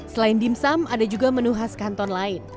selain dimsum ada juga menu khas kanton lain